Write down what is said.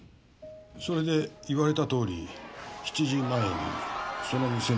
それで言われたとおり７時前にその店に向かいました。